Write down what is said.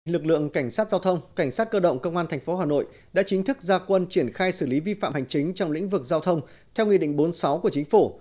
lực lượng cảnh sát giao thông cảnh sát cơ động công an tp hà nội đã chính thức gia quân triển khai xử lý vi phạm hành chính trong lĩnh vực giao thông theo nghị định bốn mươi sáu của chính phủ